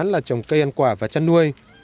là trồng cây ăn quả và chăn nuôi